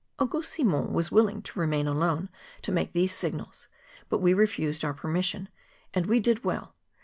Auguste Simond was willing to remain alone to make these signals; but we refused our permission, and we did well.